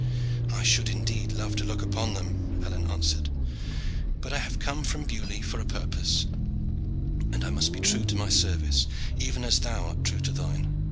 "I should indeed love to look upon them," Alleyne answered; "but I have come from Beaulieu for a purpose, and I must be true to my service, even as thou art true to thine."